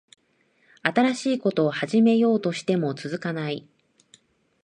新しいこと始めようとしても続かない